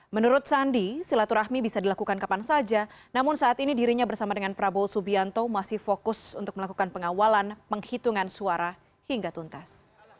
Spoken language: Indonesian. menurut sandi silaturahmi bisa dilakukan kapan saja namun saat ini dirinya bersama dengan prabowo subianto masih fokus untuk melakukan pengawalan penghitungan suara hingga tuntas